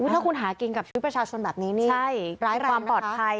ถ้าคุณหากินกับชุมีประชาชนแบบนี้ร้ายรักนะคะ